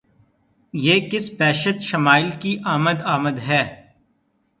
یہ کس بہشت شمائل کی آمد آمد ہے!